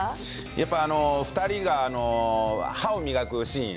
やっぱ２人が歯を磨くシーン。